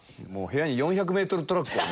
部屋に４００メートルトラックを。